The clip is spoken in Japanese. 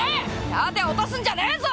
盾落とすんじゃねぇぞ！